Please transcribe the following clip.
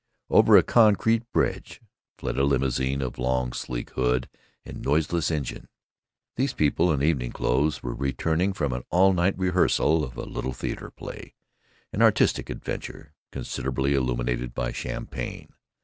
Over a concrete bridge fled a limousine of long sleek hood and noiseless engine. These people in evening clothes were returning from an all night rehearsal of a Little Theater play, an artistic adventure considerably illuminated by champagne.